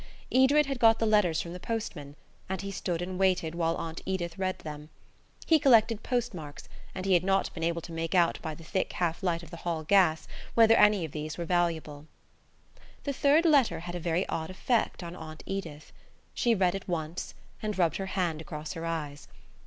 Edred had got the letters from the postman, and he stood and waited while Aunt Edith read them. He collected postmarks, and had not been able to make out by the thick half light of the hall gas whether any of these were valuable. The third letter had a very odd effect on Aunt Edith. She read it once, and rubbed her hand across her eyes.